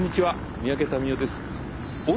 三宅民夫です。